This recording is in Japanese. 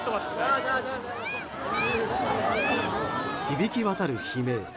響き渡る悲鳴。